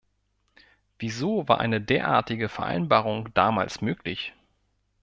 Wieso war eine derartige Vereinbarung damals möglich?